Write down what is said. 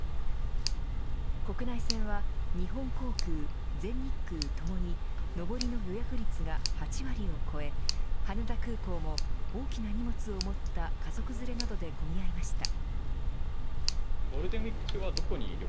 国内線は、日本航空全日空ともに上りの予約率が８割を超え羽田空港も大きな荷物を持った家族連れなどで混み合いました。